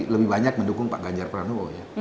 lebih banyak mendukung pak ganjar pranowo ya